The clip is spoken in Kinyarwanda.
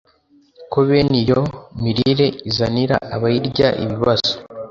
ko bene iyo mirire izanira abayirya ibibazo